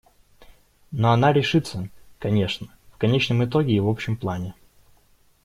Но она решится, конечно, в конечном итоге и в общем плане.